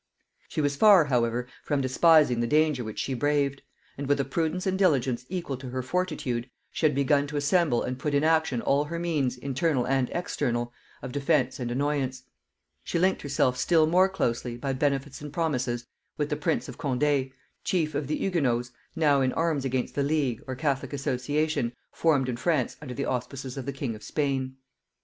She was far, however, from despising the danger which she braved; and with a prudence and diligence equal to her fortitude, she had begun to assemble and put in action all her means, internal and external, of defence and annoyance. She linked herself still more closely, by benefits and promises, with the prince of Condé, chief of the Hugonots now in arms against the League, or Catholic association, formed in France under the auspices of the king of Spain.